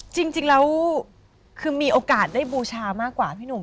จริงแล้วคือมีโอกาสได้บูชามากกว่าพี่หนุ่ม